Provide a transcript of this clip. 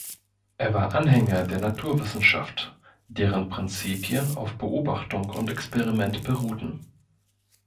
Er war Anhänger der Naturwissenschaft, deren Prinzipien auf Beobachtung und Experiment beruhten.